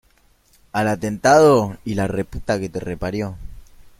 Al atentado no siguió ninguna investigación por parte de las autoridades.